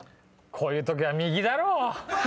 こういうときは右だろ。